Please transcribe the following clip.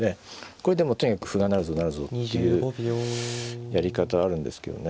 これでもうとにかく歩が成るぞ成るぞっていうやり方はあるんですけどね。